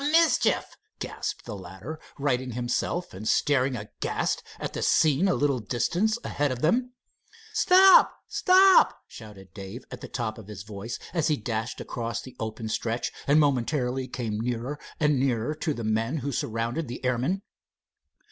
"The mischief!" gasped the latter, righting himself and staring aghast at the scene a little distance ahead of them. "Stop! stop!" shouted Dave at the top of his voice, as he dashed across the open stretch, and momentarily came nearer and nearer to the men who surrounded the airmen.